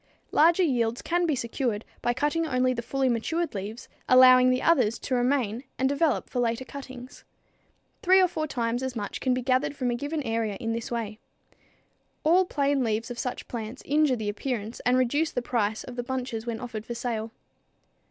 Larger yields can be secured by cutting only the fully matured leaves, allowing the others to remain and develop for later cuttings. Three or four times as much can be gathered from a given area in this way. All plain leaves of such plants injure the appearance and reduce the price of the bunches when offered for sale.